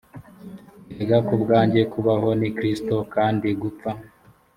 erega ku bwanjye kubaho ni kristo kandi gupfa